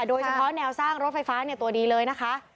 โดยเฉพาะแนวสร้างรถไฟฟ้าตัวดีเลยนะคะ